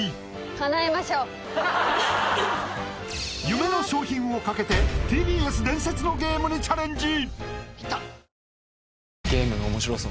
夢の賞品をかけてＴＢＳ伝説のゲームにチャレンジ！